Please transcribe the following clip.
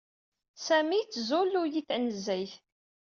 Sami yettzulu-iyi tanezzayt.